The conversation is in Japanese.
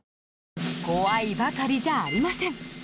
怖いばかりじゃありません。